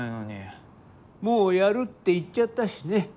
もうやるって言っちゃったしね。